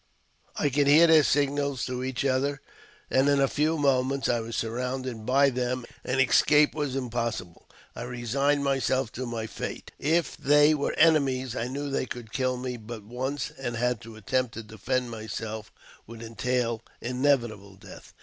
I could hear their signals to each other, and in a few moments I was surrounded by them, and escape was impossible. I resigned myself to my fate : if they were enemies, I knew they could kill me but once, and to attempt to defend myself would entail inevitable death.